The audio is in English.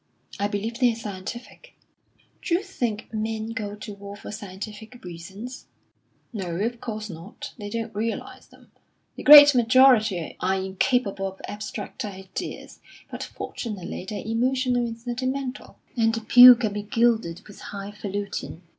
"I believe they're scientific." "D'you think men go to war for scientific reasons?" "No, of course not; they don't realise them. The great majority are incapable of abstract ideas, but fortunately they're emotional and sentimental; and the pill can be gilded with high falutin.